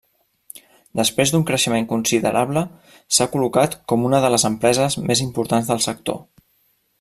Després d'un creixement considerable, s'ha col·locat com una de les empreses més importants del sector.